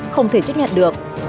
không thể chất nhận được